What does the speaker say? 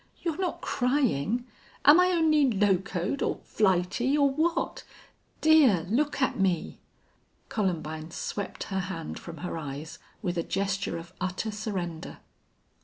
You're not crying!... Am I only locoed, or flighty, or what? Dear, look at me." Columbine swept her hand from her eyes with a gesture of utter surrender.